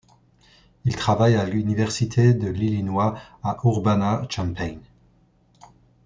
Il travaille à l'université de l'Illinois à Urbana-Champaign.